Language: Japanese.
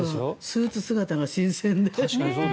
スーツ姿が新鮮です。